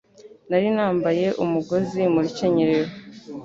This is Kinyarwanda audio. Nari nambaye umugozi mu rukenyerero